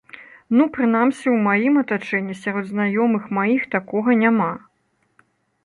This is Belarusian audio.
Ну, прынамсі, у маім атачэнні, сярод знаёмых маіх такога няма.